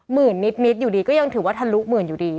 นิดอยู่ดีก็ยังถือว่าทะลุหมื่นอยู่ดี